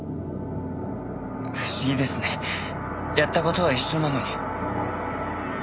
不思議ですねやった事は一緒なのに。